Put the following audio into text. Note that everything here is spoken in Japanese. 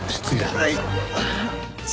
はい。